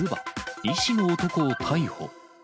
医師の男を逮捕。